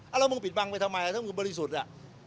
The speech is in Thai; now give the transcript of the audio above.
แล้วมึงปิดบังไปทำไมถ้ามึงบริสุทธิ์อ่ะ